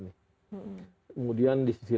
kemudian di sisi